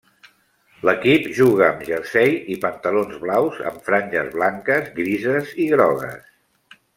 L'equip juga amb jersei i pantalons blaus amb franges blanques, grises i grogues.